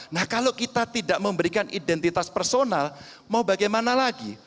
nah kalau kita tidak memberikan identitas personal mau bagaimana lagi